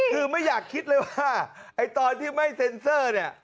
คือไม่อยากคิดเลยว่าไอ้ตอนที่ไม่เซ็นเซอร์เนี่ย